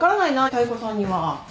妙子さんには。